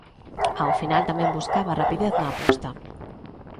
Ao final tamén buscaba a rapidez na aposta.